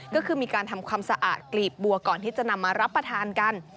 ก็คือมีการทำความสะอาดกลีบบัวก่อนที่จะนำมารับประทานกัน